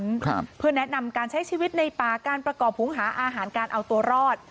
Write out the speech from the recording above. ครับเพื่อแนะนำการใช้ชีวิตในป่าการประกอบหุงหาอาหารการเอาตัวรอด